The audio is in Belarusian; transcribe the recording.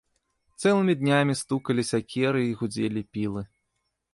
Цэлымі днямі стукалі сякеры і гудзелі пілы.